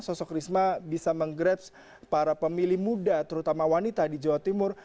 sosok risma bisa menggrade para pemilih muda terutama wanita di jawa timur